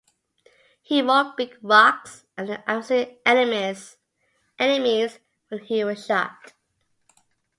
He rolled big rocks at the advancing enemies when he was shot.